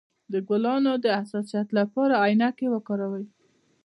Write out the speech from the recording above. د ګلانو د حساسیت لپاره عینکې وکاروئ